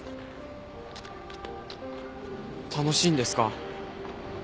楽しいんですか？